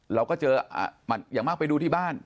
เราก็เจออย่างมากไปดูที่บ้าน